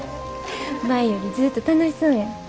前よりずっと楽しそうやん。